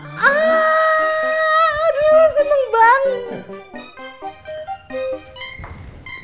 aduh seneng banget